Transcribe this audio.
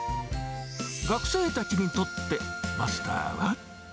学生たちにとって、マスターは？